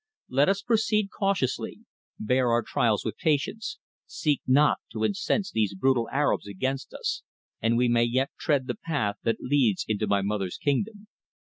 Let us proceed cautiously, bear our trials with patience, seek not to incense these brutal Arabs against us, and we may yet tread the path that leads into my mother's kingdom.